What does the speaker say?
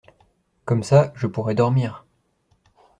Comme ça, je pourrai dormir !